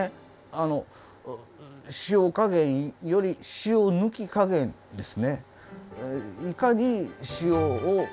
あの塩加減より塩抜き加減ですね。